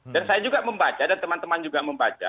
dan saya juga membaca dan teman teman juga membaca